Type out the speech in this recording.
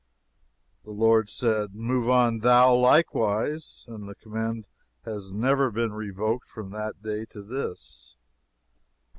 The Lord said, "Move on, thou, likewise," and the command has never been revoked from that day to this.